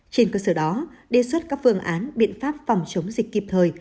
trên cơ sở đó đề xuất các phương án biện pháp phòng chống dịch kịp thời